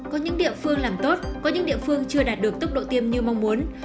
có những địa phương làm tốt có những địa phương chưa đạt được tốc độ tiêm như mong muốn